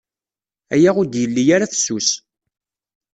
Aya ur d-yelli ara fessus.